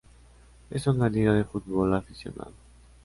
Es una liga de fútbol aficionado.